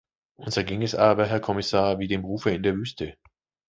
Uns erging es aber, Herr Kommissar, wie dem Rufer in der Wüste.